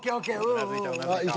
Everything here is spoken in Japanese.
うなずいたうなずいた。